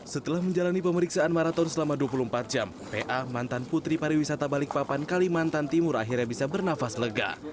setelah menjalani pemeriksaan maraton selama dua puluh empat jam pa mantan putri pariwisata balikpapan kalimantan timur akhirnya bisa bernafas lega